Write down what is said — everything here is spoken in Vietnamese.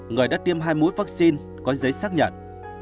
người đã tiêm hai mũi vắc xin có giấy xác nhận